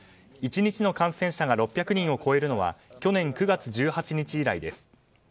１日の感染者が６００人を超えるのは去年９月１８日以来です。